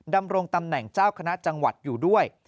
ดำรงตำแหน่งเจ้าคณะจังหวัดอยู่ด้วย